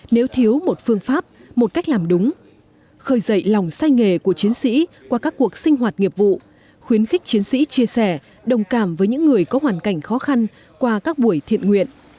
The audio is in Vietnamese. nếu thiếu một phương pháp một cách làm đúng khởi dậy lòng say nghề của chiến sĩ qua các cuộc sinh hoạt nghiệp vụ khuyến khích chiến sĩ chia sẻ đồng cảm với những người có hoàn cảnh khó khăn qua các buổi thiện nguyện